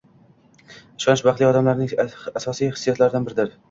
Ishonch - baxtli odamlarning asosiy hissiyotlaridan biridir